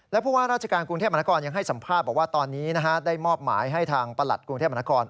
และพวกราชการกรุงเทพมนาคอลยังให้สัมภาพว่าตอนนี้ได้มอบหมายให้ทางประหลัดกรุงเทพมนาคอล